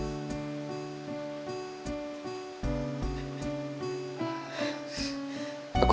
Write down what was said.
aku tidak mungkin meninggalkan kamu